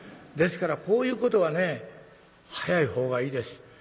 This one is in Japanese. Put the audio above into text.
ですからこういうことはね早い方がいいです。